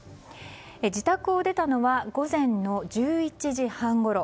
自宅を出たのは午前１１時半ごろ。